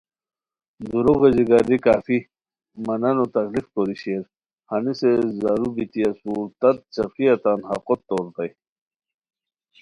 دُورو غیژی گاری کافی مہ نانو تکلیف کوری شیر ہنیسے زارو بیتی اسور تت څیقیہ تان حقوت توریتائے